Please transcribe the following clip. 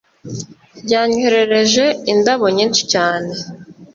Yanyoherereje indabo nyinshi cyane